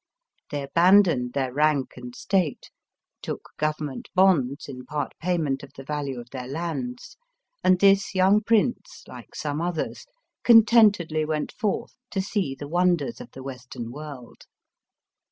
They abandoned their rank and state, took Government bonds in part pay ment of the value of their lands, and this young prince, like some others, content edly went forth to see the wonders of the Digitized by VjOOQIC 190 EAST BT WEST. Western world.